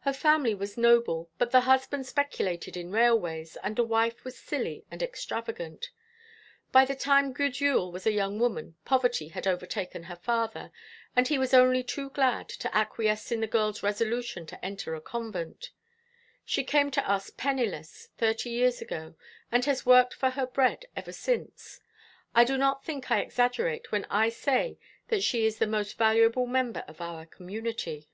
Her family was noble, but the husband speculated in railways, and the wife was silly and extravagant. By the time Gudule was a young woman poverty had overtaken her father, and he was only too glad to acquiesce in the girl's resolution to enter a convent. She came to us penniless thirty years ago, and has worked for her bread ever since. I do not think I exaggerate when I say that she is the most valuable member of our community."